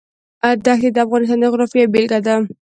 دښتې د افغانستان د جغرافیې بېلګه ده.